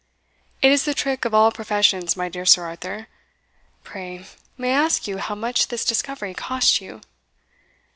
It is the trick of all professions, my dear Sir Arthur. Pray, may I ask you how much this discovery cost you?"